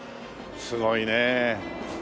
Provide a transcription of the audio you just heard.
すごいね。